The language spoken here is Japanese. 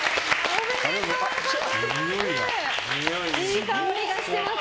おめでとうございます。